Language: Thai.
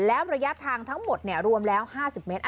แล้วระยะทางทั้งหมดรวมแล้ว๕๐เมตร